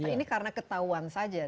ini karena ketahuan saja